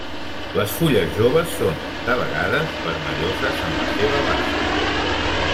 Les fulles joves són, de vegades, vermelloses en la seva base.